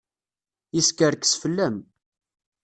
Yeskerkes fell-am.